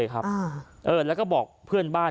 แล้วก็บอกเพื่อนบ้าน